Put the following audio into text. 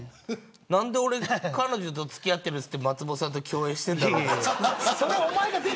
何で彼女と付き合ってると言って松本さんと共演しているんだろうと。